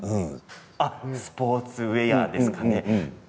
スポーツウエアですかね。